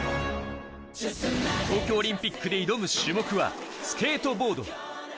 東京オリンピックで挑む種目はスケートボード。